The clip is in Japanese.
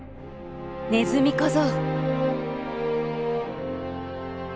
ねずみ小僧。